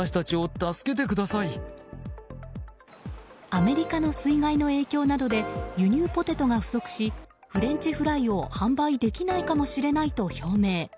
アメリカの水害の影響などで輸入ポテトが不足しフレンチフライを販売できないかもしれないと表明。